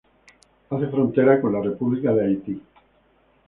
Hace frontera con la República de Haití.